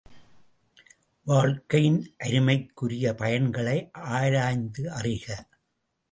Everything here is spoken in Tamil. வாழ்க்கையின் அருமைக்குரிய பயன்களை ஆராய்ந்து அறிக!